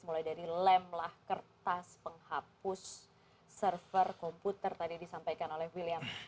mulai dari lem lah kertas penghapus server komputer tadi disampaikan oleh william